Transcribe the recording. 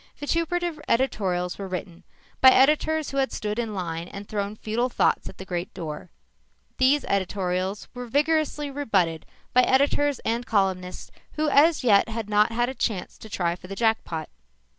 Vituperative editorials were written by editors who had stood in line and thrown futile thoughts at the great door. These editorials were vigorously rebutted by editors and columnists who as yet had not had a chance to try for the jackpot.